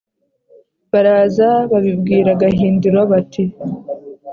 baraza babwira gahindiro bati